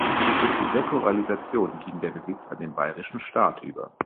Durch die Säkularisation ging der Besitz an den Bayerischen Staat über.